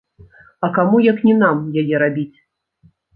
А каму як не нам яе рабіць?